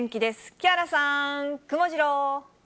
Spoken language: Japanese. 木原さん、くもジロー。